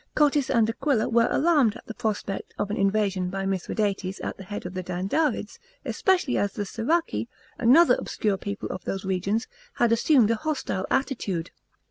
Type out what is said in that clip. Cotys and Aquila were alarmed at the prospect of an invasion by Mithradates at the head of the D.mdarids, especially as the Siraci, another obscure people of those regions, had assumed a hostile attitude.